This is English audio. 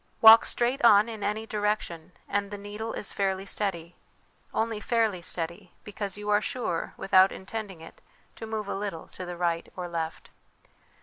Walk straight on in any direction, and the needle is fairly steady; only fairly steady, because you are sure, without intending it, to move a OUT OF DOOR LIFE FOR THE CHILDREN 77 little to the right or left.